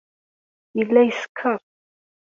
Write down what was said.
Yella yeskeṛ.